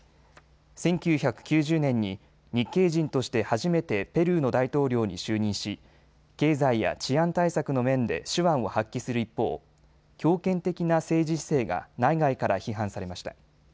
１９９０年に日系人として初めてペルーの大統領に就任し経済や治安対策の面で手腕を発揮する一方、強権的な政治姿勢が内外から批判されました。